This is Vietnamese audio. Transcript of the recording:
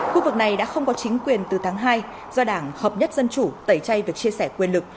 khu vực này đã không có chính quyền từ tháng hai do đảng hợp nhất dân chủ tẩy chay việc chia sẻ quyền lực